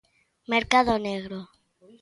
Mercado negro?